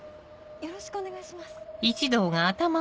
よろしくお願いします。